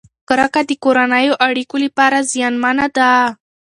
کرکه د کورنیو اړیکو لپاره زیانمنه ده.